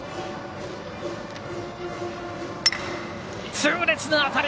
痛烈な当たり！